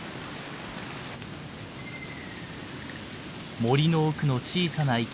森の奥の小さな池。